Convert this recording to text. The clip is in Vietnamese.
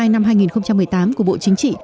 năm hai nghìn một mươi tám của bộ chính trị